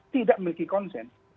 tidak memiliki consent